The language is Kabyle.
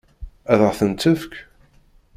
Ad ɣ-ten-tefk?